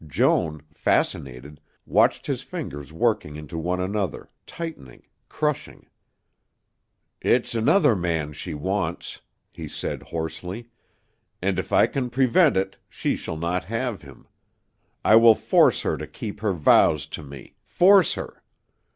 Joan, fascinated, watched his fingers working into one another, tightening, crushing. "It's another man she wants," he said hoarsely, "and if I can prevent it, she shall not have him. I will force her to keep her vows to me force her.